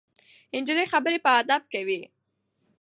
نجلۍ خبرې په ادب کوي.